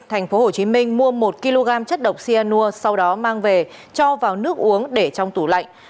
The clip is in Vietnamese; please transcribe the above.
thành phố hồ chí minh mua một kg chất độc sianua sau đó mang về cho vào nước uống để trong tủ lạnh